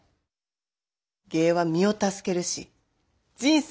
芸は身を助けるし人生楽しなる。